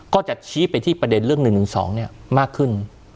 ก็จะชี้ไปที่ประเด็นเรื่อง๑๑๒มากขึ้น